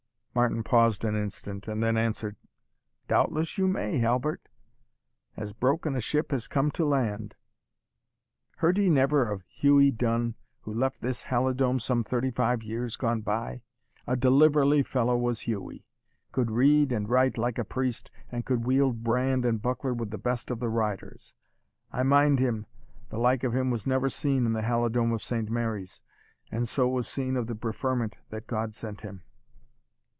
Martin paused an instant, and then answered, "Doubtless you may, Halbert; as broken a ship has come to land. Heard ye never of Hughie Dun, who left this Halidome some thirty five years gone by? A deliverly fellow was Hughie could read and write like a priest, and could wield brand and buckler with the best of the riders. I mind him the like of him was never seen in the Halidome of Saint Mary's, and so was seen of the preferment that God sent him."